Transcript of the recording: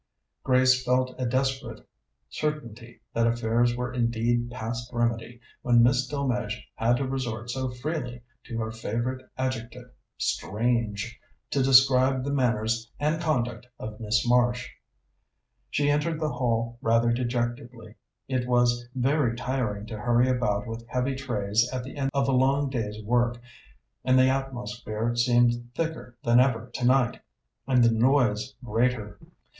Grace felt a desperate certainty that affairs were indeed past remedy when Miss Delmege had to resort so freely to her favourite adjective "strange" to describe the manners and conduct of Miss Marsh. She entered the hall rather dejectedly. It was very tiring to hurry about with heavy trays at the end of a long day's work, and the atmosphere seemed thicker than ever tonight and the noise greater.